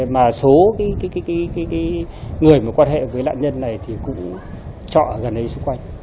mà số cái người mà quan hệ với nạn nhân này thì cũng trọ ở gần đây xung quanh